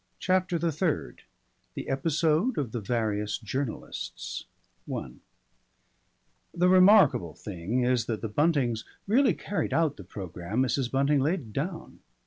CHAPTER THE THIRD THE EPISODE OF THE VARIOUS JOURNALISTS I The remarkable thing is that the Buntings really carried out the programme Mrs. Bunting laid down.